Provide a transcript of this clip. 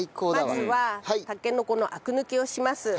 まずはたけのこのアク抜きをします。